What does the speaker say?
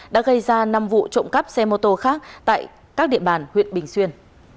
đã gây ra năm vụ trộm cắp xe mô tô khác tại các địa bàn huyện bình xuyên